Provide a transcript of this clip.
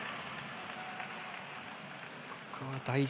ここは大事。